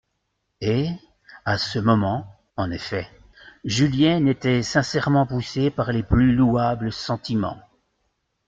Et, à ce moment, en effet, Julienne était sincèrement poussée par les plus louables sentiments.